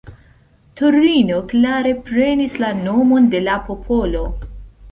Torino klare prenis la nomon de la popolo.